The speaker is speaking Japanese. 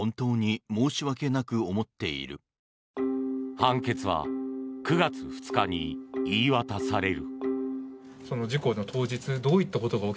判決は９月２日に言い渡される。